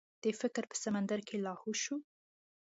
د فکر په سمندر کې لاهو شو.